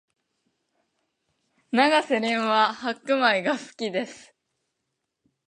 永瀬廉は白米が好きです